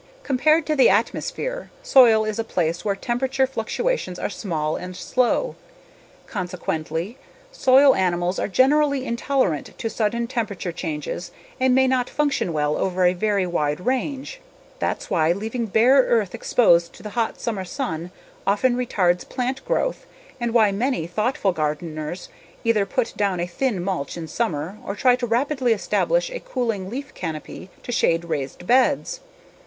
Compared to the atmosphere, soil is a place where temperature fluctuations are small and slow. Consequently, soil animals are generally intolerant to sudden temperature changes and may not function well over a very wide range. That's why leaving bare earth exposed to the hot summer sun often retards plant growth and why many thoughtful gardeners either put down a thin mulch in summer or try to rapidly establish a cooling leaf canopy to shade raised beds.